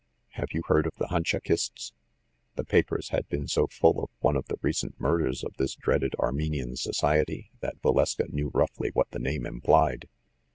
Have you heard of the Hunchakists?" The papers had been so full of one of the recent murders of this dreaded Armenian society, that Va leska knew roughly what the name implied.